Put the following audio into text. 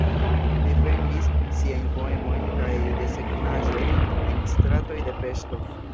Li vendis siajn poemojn kaj desegnaĵojn en stratoj de Peŝto.